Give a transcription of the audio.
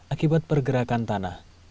akibat pergerakan tanah